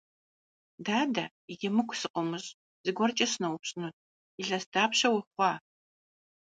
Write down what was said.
Дадэ, емыкӀу сыкъыумыщӀ, зыгуэркӀэ сыноупщӀынут: илъэс дапщэ ухъуа?